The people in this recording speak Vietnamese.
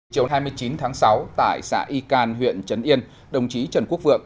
chiều hai mươi chín tháng sáu tại xã y can huyện trấn yên đồng chí trần quốc vượng